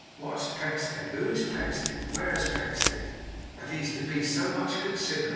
'What's Pecksniff, who's Pecksniff, where's Pecksniff, that he's to be so much considered?